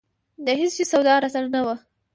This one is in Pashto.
د هېڅ شي سودا راسره نه وه.